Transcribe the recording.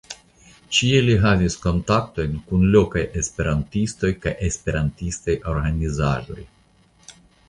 Ĉie li havis kontaktojn kun la lokaj esperantistoj kaj esperantistaj organizaĵoj.